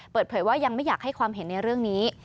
เปิดเผยว่ายังไม่อยากให้ความเห็นในเรื่องนี้